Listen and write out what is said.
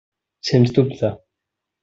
Sens dubte.